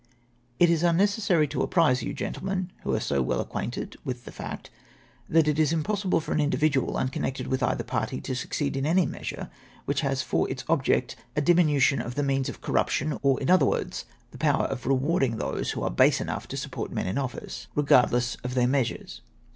" It is unnecessary to apprise you, Grentlemen, who are so well acquainted with the fact, that it is impossible for an individual, unconnected with either party, to succeed in any measure which has for its object a diminution of the means of corruption, or, in other words, the power of rewarding those who are base enough to support men in office, regard VOL, II. S 258 OX THE DISSOLUTIOX OF TARLIAMEXT. less of their measures.